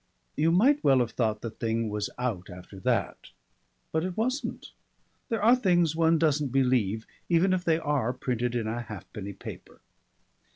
You might well have thought the thing was out after that, but it wasn't. There are things one doesn't believe even if they are printed in a halfpenny paper.